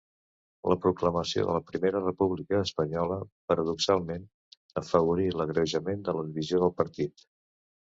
La proclamació de la Primera República Espanyola, paradoxalment, afavorí l'agreujament de la divisió del partit.